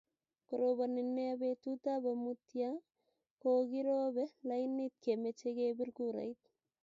Koroboni nea betut ab amut ya kokirobe lainit kemeche kepir kurait